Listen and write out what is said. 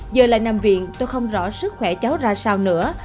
giờ lại nằm viện tôi không rõ sức khỏe cháu ra sao nữa